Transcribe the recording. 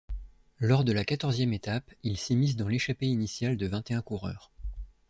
Lors de la quatorzième étape, il s'immisce dans l'échappée initiale de vingt-et-un coureurs.